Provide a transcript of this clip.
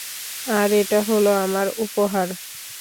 আর এটা হলো আমার উপহার।